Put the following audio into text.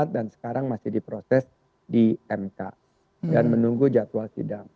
dan sekarang masih diproses di mk dan menunggu jadwal sidang